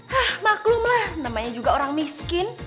hah maklumlah namanya juga orang miskin